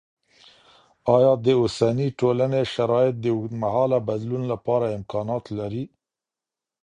آیا د اوسني ټولني شرایط د اوږدمهاله بدلون لپاره امکانات لري؟